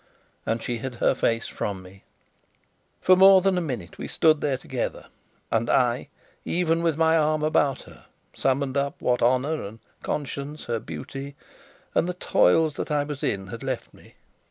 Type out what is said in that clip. And she hid her face from me. For more than a minute we stood there together; and I, even with my arm about her, summoned up what honour and conscience her beauty and the toils that I was in had left me.